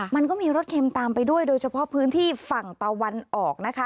มันก็มีรสเค็มตามไปด้วยโดยเฉพาะพื้นที่ฝั่งตะวันออกนะคะ